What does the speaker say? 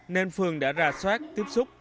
nên phường đã ra soát tiếp xúc